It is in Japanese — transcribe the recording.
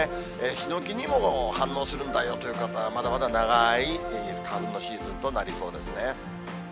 ヒノキにも反応するんだよという方、まだまだ長い花粉のシーズンとなりそうですね。